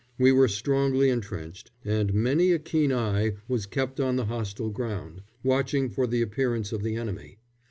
We were strongly entrenched, and many a keen eye was kept on the hostile ground, watching for the appearance of the enemy.